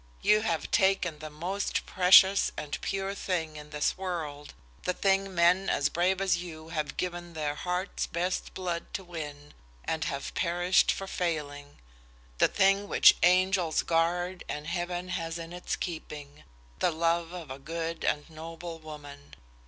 You have taken the most precious and pure thing in this world, the thing men as brave as you have given their heart's best blood to win and have perished for failing, the thing which angels guard and Heaven has in its keeping the love of a good and noble woman.